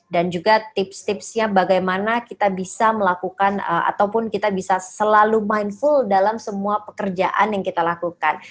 dan juga tips tipsnya bagaimana kita bisa melakukan ataupun kita bisa selalu mindful dalam semua pekerjaan yang kita lakukan